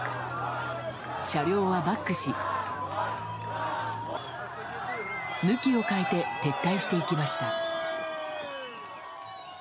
車両はバックし向きを変えて撤退していきました。